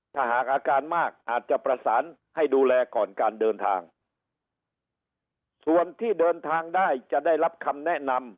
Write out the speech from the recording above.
ถ้าหากอาการมากอาจจะประสานให้ดูแลก่อนการเดินทางส่วนที่เดินทางได้จะได้รับคำแนะนำ